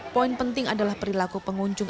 poin penting adalah perilaku pengunjung